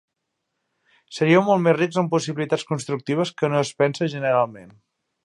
Seríeu molt més rics en possibilitats constructives que no es pensa generalment.